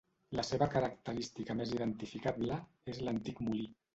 La seva característica més identificable és l'antic molí.